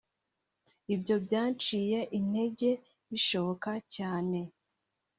Ibyo byanciye intege bishoboka cyane